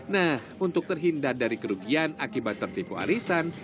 nah untuk terhindar dari kerugian akibat tertipu arisan